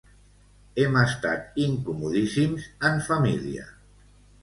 Hem estat incomodíssims en família.